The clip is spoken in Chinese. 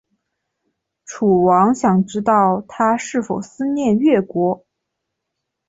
楚王想知道他是否思念越国。